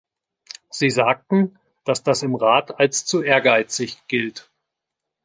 Sie sagten, dass das im Rat als zu ehrgeizig gilt.